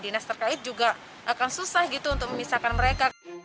dinas terkait juga akan susah gitu untuk memisahkan mereka